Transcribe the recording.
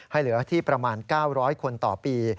เหลือที่ประมาณ๙๐๐คนต่อปี